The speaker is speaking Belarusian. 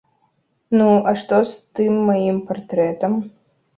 Ну, а што з тым маім партрэтам?